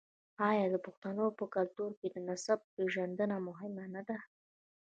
آیا د پښتنو په کلتور کې د نسب پیژندنه مهمه نه ده؟